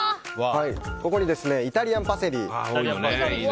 ここにイタリアンパセリ。